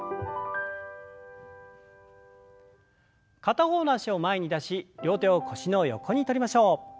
片方の脚を前に出し両手を腰の横にとりましょう。